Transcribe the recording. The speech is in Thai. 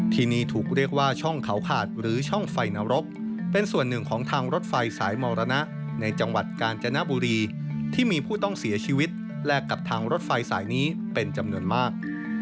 ที่นี่ถูกเรียกว่าช่องเขาขาดหรือช่องไฟนรกเป็นส่วนหนึ่งของทางรถไฟสายมรณะในจังหวัดกาญจนบุรีที่มีผู้ต้องเสียชีวิตแลกกับทางรถไฟสายนี้เป็นจำนวนมาก